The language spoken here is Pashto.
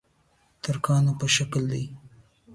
د ترکانو په شکل دي.